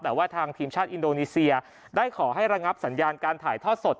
แต่ว่าทางทีมชาติอินโดนีเซียได้ขอให้ระงับสัญญาณการถ่ายทอดสด